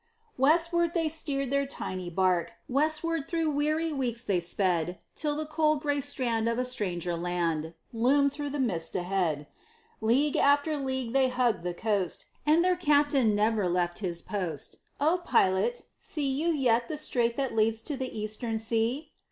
Westward they steered their tiny bark, Westward through weary weeks they sped, Till the cold gray strand of a stranger land Loomed through the mist ahead. League after league they hugged the coast, And their Captain never left his post: "O Pilot, see you yet the strait that leads to the Eastern Sea?"